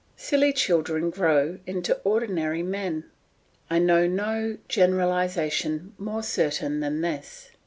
Silly children grow into ordinary men. I know no generalisation more certain than this.